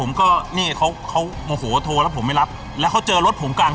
เลยเป็ฟาผู้หญิงไปเก็บก่อน